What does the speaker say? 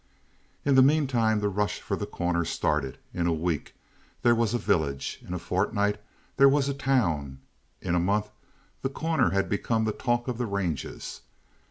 "In the meantime the rush for The Corner started. In a week there was a village; in a fortnight there was a town; in a month The Corner had become the talk of the ranges.